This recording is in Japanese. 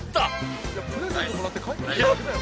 「プレゼントもらって帰ってきただけだよ」